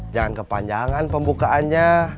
jangan kepanjangan pembukaannya